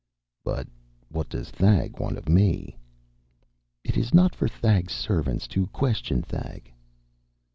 "But what does Thag want of me?" "It is not for Thag's servants to question Thag."